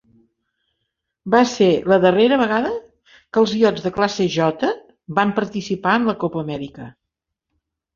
Va ser la darrera vegada que els iots de classe J van participar en la Copa Amèrica.